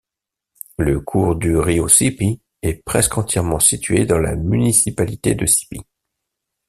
Le cours du río Sipí est presque entièrement situé dans la municipalité de Sipí.